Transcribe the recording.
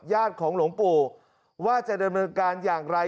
ของหลวงปู่ว่าจะดำเนินการอย่างไร